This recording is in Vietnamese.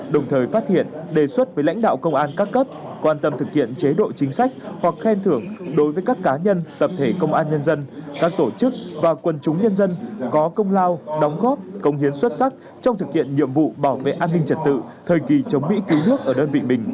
đồng thời phát hiện đề xuất với lãnh đạo công an các cấp quan tâm thực hiện chế độ chính sách hoặc khen thưởng đối với các cá nhân tập thể công an nhân dân các tổ chức và quân chúng nhân dân có công lao đóng góp công hiến xuất sắc trong thực hiện nhiệm vụ bảo vệ an ninh trật tự thời kỳ chống mỹ cứu nước ở đơn vị mình